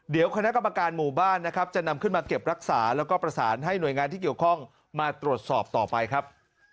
เดี๋ยวคณะกรรมการหมู่บ้านนะครับจะนำขึ้นมาเก็บรักษาแล้วก็ประสานให้หน่วยงานที่เกี่ยวข้องมาตรวจสอบต่อไปครับ